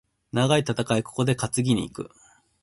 長い戦い、ここで担ぎに行く。